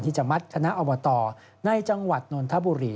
จะมัดคณะอบตในจังหวัดนนทบุรี